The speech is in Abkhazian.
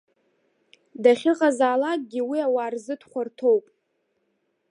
Дахьыҟазаалакгьы уи ауаа рзы дхәарҭоуп!